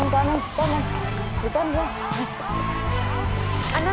เร็วเร็วเร็วเร็ว